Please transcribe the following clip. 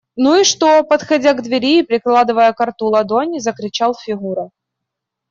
– Ну что? – подходя к двери и прикладывая ко рту ладонь, закричал Фигура.